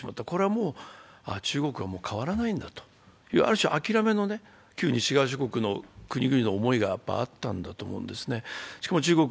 これはもう、中国はもう変わらないんだと、ある種、諦めのね、旧西側諸国の国々の思いがあったと思うんですね。